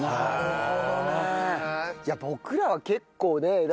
いや僕らは結構ね。